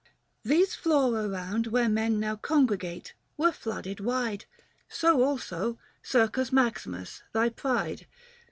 These Fora round Where men now congregate, were flooded wide ; So also Circus Maximus thy pride.